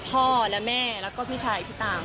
พ่อและแม่แล้วก็พี่ชายพี่ตาม